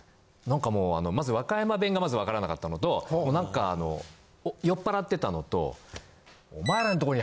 なんかもうまず和歌山弁がまずわからなかったのとなんかあの酔っぱらってたのと。